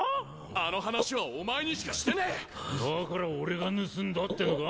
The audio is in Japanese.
あの話はお前にしかしてねえだから俺が盗んだってのか？